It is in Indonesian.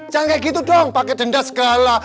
jangan kayak gitu dong pakai denda segala